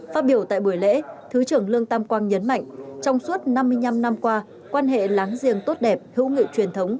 phát biểu tại buổi lễ thứ trưởng lương tam quang nhấn mạnh trong suốt năm mươi năm năm qua quan hệ láng giềng tốt đẹp hữu nghị truyền thống